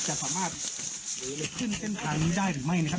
จะสามารถขึ้นเส้นทางนี้ได้หรือไม่นะครับ